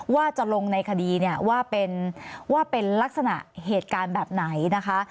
ว่าจะลงในคดีเนี่ยว่าเป็นลักษณะเหตุการณ์แบบไหนนะคะ